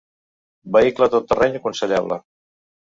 Vehicle tot terreny aconsellable.